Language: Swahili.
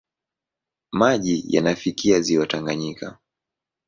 Maji yanafikia ziwa Tanganyika.